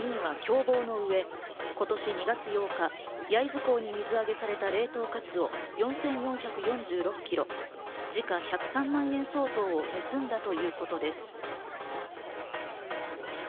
起訴状によりますと、５人は共謀の上、今年２月８日、焼津港に水揚げされた冷凍カツオ４４４６ｋｇ、時価１０３万円相当を盗んだということです。